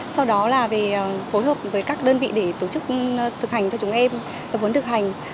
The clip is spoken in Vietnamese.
sau đó là về phối hợp với các đơn vị để tổ chức thực hành cho chúng em tập huấn thực hành